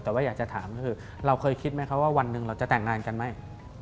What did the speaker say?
แต่ว่าอยากจะถามก็คือเราเคยคิดไหมคะว่าวันหนึ่งเราจะแต่งงานกันไหม